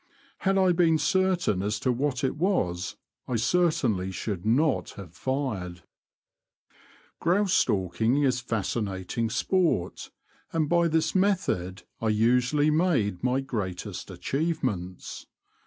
Had I been certain as to what it was I certainly should not have fired. I 2 122 The Confessions of a T^oacher. Grouse stalking is fascinating sport, and by this method I usually made my greatest achievements.